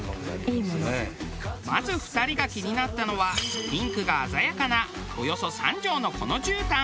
まず２人が気になったのはピンクが鮮やかなおよそ３畳のこの絨毯。